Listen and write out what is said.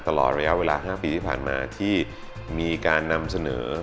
ตลอดระยะเวลา๕ปีที่ผ่านมาที่มีการนำเสนอ